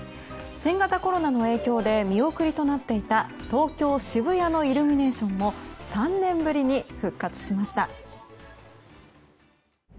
新型コロナの影響で見送りとなっていた東京・渋谷のイルミネーションも３年ぶりに復活しました。